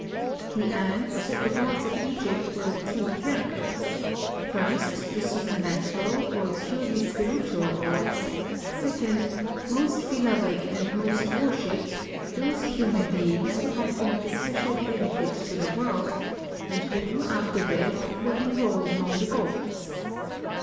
He adds, that the gods of Egypt were of two characters : first, the supernatural, or purely spiritual gods ; second, " most beloved and most wor shiped," those human beings who had been of especial benefit to the world, and who after death were enrolled among the gods.